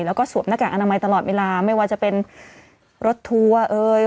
แล้วก็สวมหน้ากากอนามัยตลอดเวลาไม่ว่าจะเป็นรถทัวร์เอ่ย